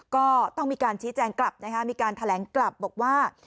ก็ต้องมีการชี้แจงกลับนะคะมีการแถลงกลับบอกว่า